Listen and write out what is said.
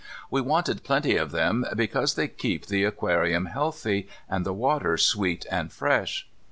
We wanted plenty of them, because they keep the aquarium healthy, and the water sweet and fresh.